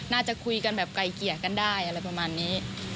น่าจะคุยกันแบบไกลเกลี่ยกันได้อะไรประมาณนี้